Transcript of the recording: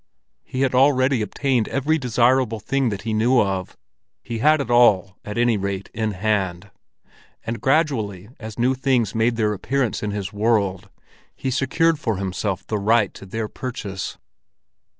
He had already obtained every desirable thing that he knew of—he had it all, at any rate, in hand; and gradually as new things made their appearance in his world, he secured for himself the right to their purchase.